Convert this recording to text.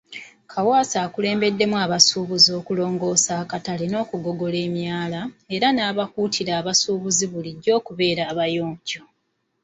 Kaawaase akulembeddemu abasuubuzi okulongoosa akatale n'okugogola emyala, era n'akuutira abasuubuzi bulijjo okubeera abayonjo.